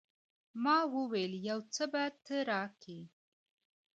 ما وويل يو څه به ته راکې.